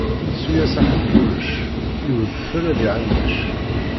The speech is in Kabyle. Ssu-yas a Ḥebrurec, i udfel ad iɛanec.